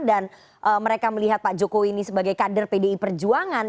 dan mereka melihat pak jokowi ini sebagai kader pdi perjuangan